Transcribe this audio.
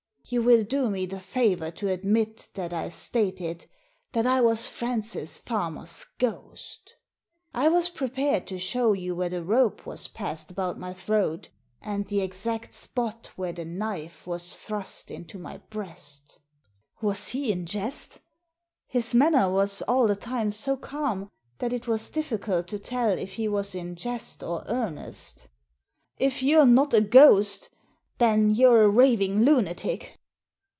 You will do me the favour to admit that I stated that I was Francis Farmer's ghost I was prepared to show you where the rope was passed about my throat and the exact spot where the knife was thrust into my breast" Was he in jest ? His manner was all the time so calm that it was difficult to tell if he was in jest or earnest " If you're not a ghost then youVe a raving lunatic."